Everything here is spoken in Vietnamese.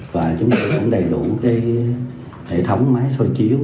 và chúng tôi cũng đầy đủ hệ thống máy xôi chiếu